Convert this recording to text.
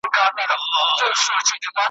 پکښی وینو به یارانو د رڼا د بري څلی ,